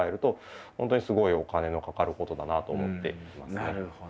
なるほど。